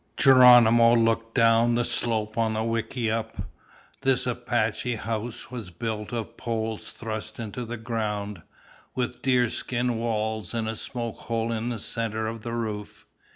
Geronimo looked down the slope on a wickiup. This Apache house was built of poles thrust into the ground, with deer skin walls and a smoke hole in the center of the roof.